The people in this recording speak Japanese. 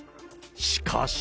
しかし。